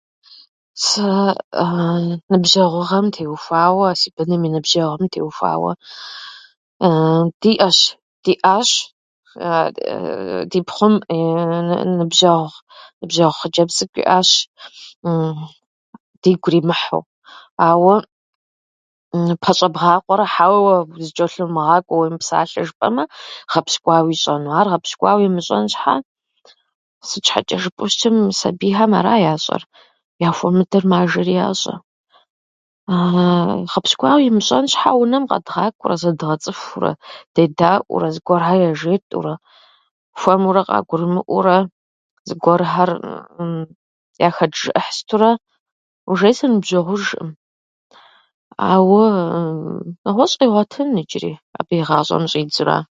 "Сэ ныбжьэгъугъэм теухуауэ, си быным и ныбжьэгъум теухуауэ диӏэщ, диӏащ, ди пхъум ныбжьэгъу- ныбжьэгъу хъыджэбз цӏыкӏу иӏащ дигу иримыхьу, ауэ пэщӏэбгъакъуэрэ ""хьэуэ, зычӏэлъумыгъакӏуэ, уемыпсалъэ"" жыпӏэмэ, гъэпщкӏуауэ ищӏэну. Ар гъэпщкӏуауэ имыщӏэн щхьа... Сыт щхьэчӏэ жыпӏэу щытым, сабийм ара ящӏэр, яхуумэдэр мажэри ящӏэ. Гъэпщкӏуауэ имыщӏэн щхьа, унэм къэдгъакӏуэурэ, зэдгъэцӏыхуурэ, дедаӏуэурэ, зыгуэрхэр яжетӏэурэ, хуэмурэ къагурымыӏуэурэ, зыгуэрхьэр яхэджыӏыхь сытурэ уже зэныбжьэгъужӏым. Ауэ нэгъуэщӏ къигъуэтын иджыри, абы и гъащӏэм щӏиадзэу ара."